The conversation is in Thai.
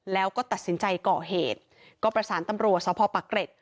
แล้วก็ตัดสินใจก่อเหตุก็ประสานตำรวจสพปะเกร็ด